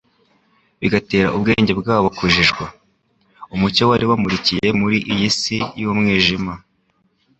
bigatera ubwenge bwabo kujijwa. Umucyo wari wamurikiye muri iyi si y'umwijima,